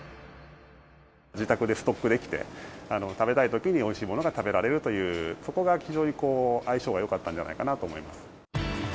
自宅でストックできて、食べたいときにおいしいものが食べられるという、そこが非常に相性がよかったんじゃないかなと思います。